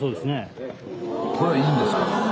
これいいんですか？